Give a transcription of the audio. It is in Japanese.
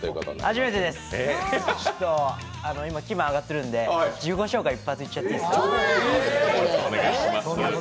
初めてです、今、気分上がってるんで、自己紹介、一発いっちゃっていいですか？